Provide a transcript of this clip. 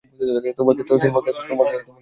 তোমাকে মানায় ভালো।